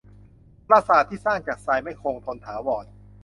ปราสาทที่สร้างจากทรายไม่คงทนถาวร